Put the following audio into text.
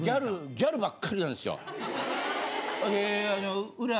ギャルばっかりなんですよ。・エーッ！